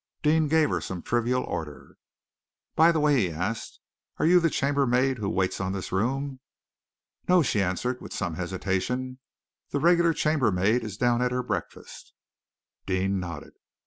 Deane gave her some trivial order. "By the way," he asked, "are you the chambermaid who waits on this room?" "No!" she answered, with some hesitation. "The regular chambermaid is down at her breakfast." Deane nodded.